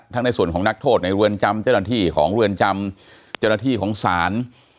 ในส่วนของนักโทษในเรือนจำเจ้าหน้าที่ของเรือนจำเจ้าหน้าที่ของศาล